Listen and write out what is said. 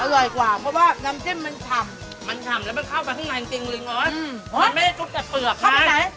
เดี๋ยวเราถามหน่อย